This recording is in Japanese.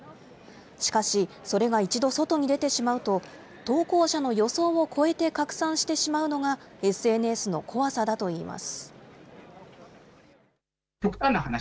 しかし、それが一度外に出てしまうと、投稿者の予想を超えて拡散してしまうのが、ＳＮＳの怖さだといいます。